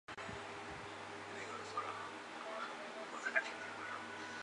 毕业于山东大学经济法专业。